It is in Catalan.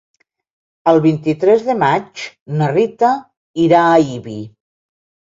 El vint-i-tres de maig na Rita irà a Ibi.